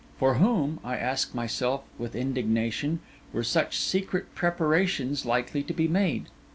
For whom, I asked myself with indignation, were such secret preparations likely to be made?